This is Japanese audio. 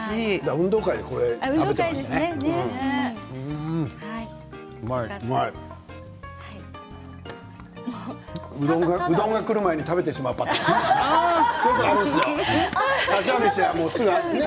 運動会でこれ食べてますよね。